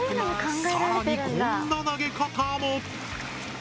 更にこんな投げ方も！